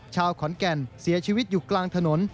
ชาวขอนแก่นเสียชีวิตอยู่กลางถนน